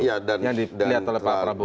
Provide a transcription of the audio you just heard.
yang dilihat oleh pak prabowo